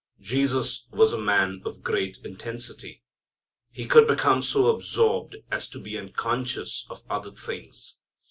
Jesus was a man of great intensity. He could become so absorbed as to be unconscious of other things.